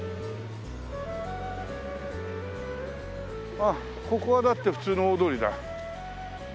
ああここはだって普通の大通りだ。